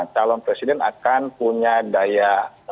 calon presiden akan punya daya